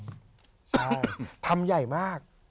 ใช่ทำใหญ่มาก